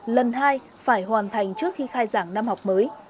lần hai phải hoàn thành trước khi khai giảng năm học mới